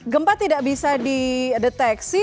gempa tidak bisa dideteksi